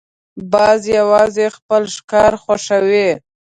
باز یوازې خپل ښکار خوښوي